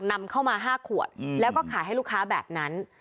นำเข้ามา๕ขวดแล้วก็ขายให้ลูกค้าแบบนั้น